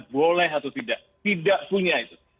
boleh atau tidak tidak punya itu